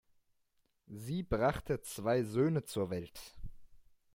Sie brachte zwei Söhne zur Welt.